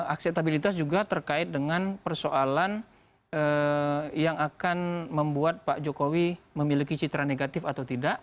akseptabilitas juga terkait dengan persoalan yang akan membuat pak jokowi memiliki citra negatif atau tidak